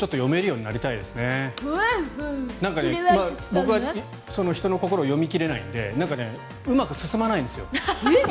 僕は人の心を読み切れないのでうまく進まないんですよ。